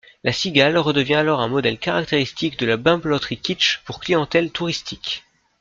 La cigale redevient alors un modèle caractéristique de la bimbeloterie kitsch pour clientèle touristique.